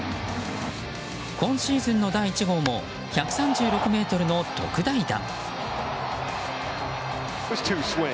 今シーズンの第１号も１３６ｍの特大弾。